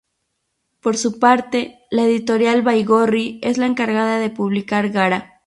Por su parte, la editorial Baigorri es la encargada de publicar "Gara".